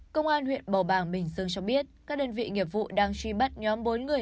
công an huyện bầu bàng bình dương cho biết các đơn vị nghiệp vụ đang truy bắt nhóm bốn người